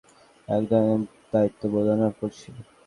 এক ধরনের দায়িত্ববোধ অনুভব করছি।